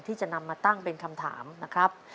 ที่จะนำมาตั้งเป็นคำถามนะครับ